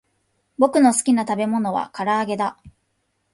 ぼくのすきなたべものはからあげだ